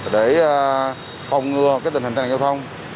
để phòng ngừa tình hình tai nạn giao thông